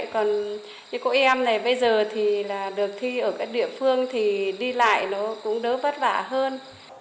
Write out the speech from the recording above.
còn với cô em này bây giờ thì là được thi ở địa phương thì đi lại nó cũng đỡ vất vả hơn